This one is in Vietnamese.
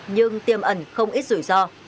nhưng tiêm ẩn không ít rủi ro